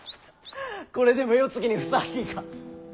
これでも世継ぎにふさわしいか？